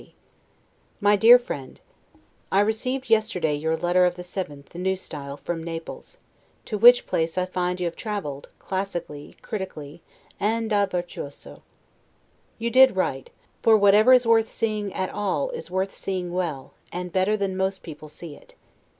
1750 MY DEAR FRIEND: I received yesterday your letter of the 7th, N. S., from Naples, to which place I find you have traveled, classically, critically, and 'da virtuoso'. You did right, for whatever is worth seeing at, all, is worth seeing well, and better than most people see it.